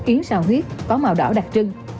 yến xào huyết có màu đỏ đặc trưng